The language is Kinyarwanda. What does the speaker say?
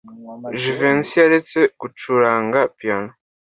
Jivency yaretse gucuranga piyano.